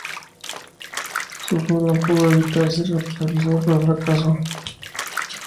Suffolk no pudo evitar ser responsabilizado por el fracaso.